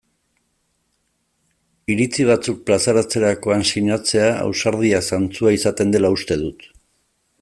Iritzi batzuk plazaratzerakoan sinatzea ausardia zantzua izaten dela uste dut.